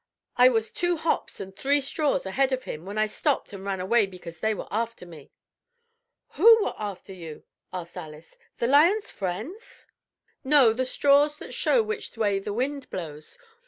I was two hops and three straws ahead of him when I stopped and ran away because they were after me." "Who were after you?" asked Alice. "The lion's friends?" "No, the straws that show which way the wind blows.